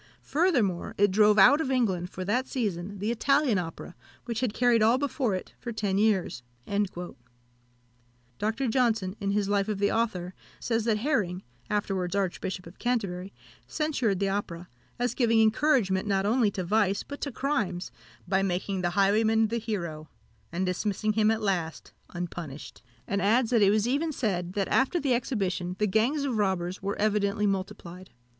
Furthermore, it drove out of England, for that season, the Italian Opera, which had carried all before it for ten years." Dr. Johnson, in his life of the author, says, that Herring, afterwards Archbishop of Canterbury, censured the opera, as giving encouragement, not only to vice, but to crimes, by making the highwayman the hero, and dismissing him at last unpunished; and adds, that it was even said, that after the exhibition the gangs of robbers were evidently multiplied.